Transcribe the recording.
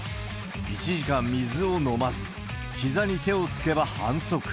１時間水を飲まず、ひざに手をつけば反則。